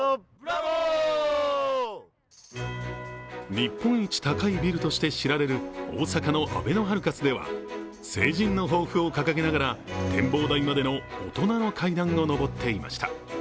日本一高いビルとして知られる大阪のあべのハルカスでは成人の抱負を掲げながら展望台までの大人の階段を上っていました。